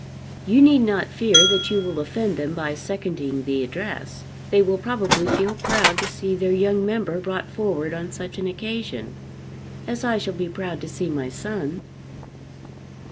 You need not fear that you will offend them by seconding the address. They will probably feel proud to see their young member brought forward on such an occasion; as I shall be proud to see my son."